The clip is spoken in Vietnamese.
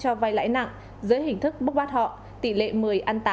cho vay lãi nặng dưới hình thức bức bát họ tỷ lệ một mươi tám